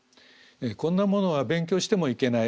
こんなものは勉強してもいけない。